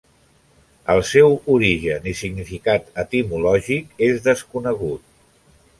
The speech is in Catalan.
El seu origen i significat etimològic és desconegut.